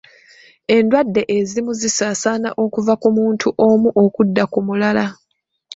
Endwadde ezimu zisaasaana okuva ku omuntu omu okudda ku mulala.